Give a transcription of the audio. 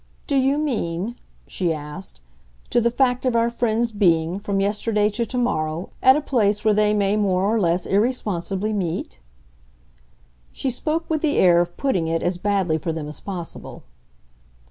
Do you mean," she asked, "to the fact of our friends' being, from yesterday to to morrow, at a place where they may more or less irresponsibly meet?" She spoke with the air of putting it as badly for them as possible.